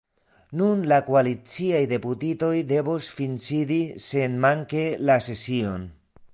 Nun la koaliciaj deputitoj devos finsidi senmanke la sesion.